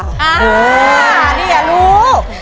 อ่าเนี่ยรู้